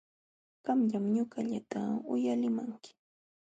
Qamllam ñuqallata uyalimanki.